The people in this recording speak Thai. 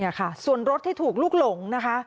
นี่ค่ะส่วนรถที่ถูกลุกหลงนะคะ